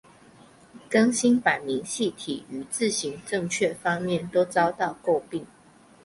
更新版细明体于字形正确方面都遭到诟病。